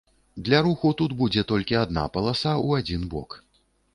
Для руху тут будзе толькі адна паласа ў адзін бок.